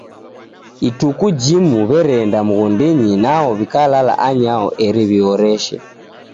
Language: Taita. Ituku jimu w'ereenda mghondinyi nwao w'ikalala anyaho eri w'ihoreshe.